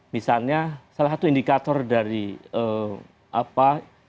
misalnya salah satu indikator dari apa